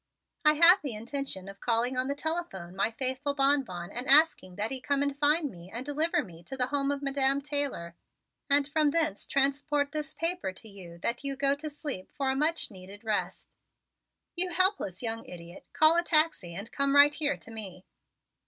I have the intention of calling on the telephone my faithful Bonbon and asking that he come and find me and deliver me to the home of Madam Taylor and from thence transport this paper to you that you go to sleep for a much needed rest." "You helpless young idiot, call a taxi and come right here to me."